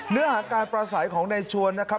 เนื้อหาการประสัยของในชวนนะครับ